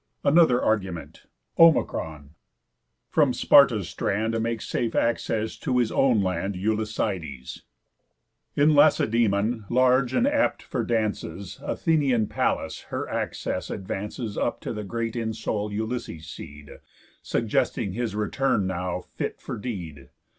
ANOTHER ARGUMENT O. From Sparta's strand Makes safe access To his own land Ulyssides. In Lacedæmon, large, and apt for dances, Athenian Pallas her access advances Up to the great in soul Ulysses' seed, Suggesting his return now fit for deed.